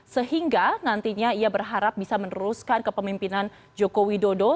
sehingga nantinya ia berharap bisa meneruskan kepemimpinan jokowi dodo